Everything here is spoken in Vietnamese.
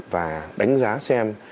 và đánh giá xem